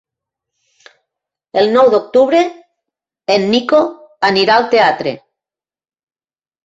El nou d'octubre en Nico anirà al teatre.